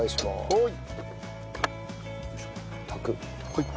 はい！